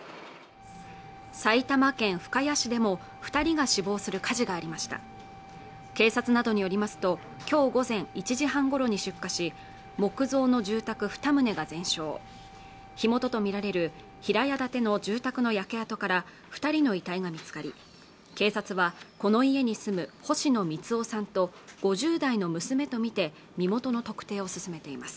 埼玉県深谷市でも二人が死亡する火事がありました警察などによりますときょう午前１時半ごろに出火し木造の住宅二棟が全焼火元とみられる平屋建ての住宅の焼け跡から二人の遺体が見つかり警察はこの家に住む星野光男さんと５０代の娘と見て身元の特定を進めています